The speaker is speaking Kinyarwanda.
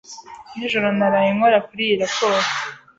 Nijoro naraye nkora kuri iyi raporo.